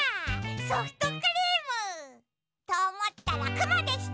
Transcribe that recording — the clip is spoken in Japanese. ソフトクリーム！とおもったらくもでした！